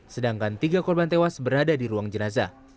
sedangkan tiga korban tewas berada di ruang jenazah